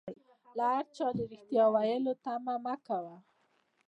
له هر چا د ريښتيا ويلو تمه مکوئ